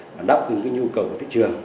và đáp ứng những nhu cầu của thị trường